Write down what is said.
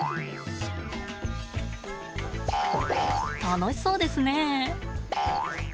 楽しそうですね。